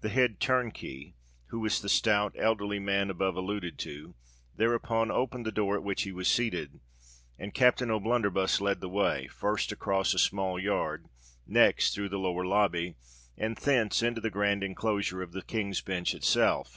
The head turnkey—who was the stout, elderly man above alluded to—thereupon opened the door at which he was seated; and Captain O'Blunderbuss led the way, first across a small yard, next through the lower lobby—and thence into the grand enclosure of the King's Bench itself.